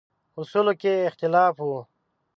اصولو کې اختلاف و.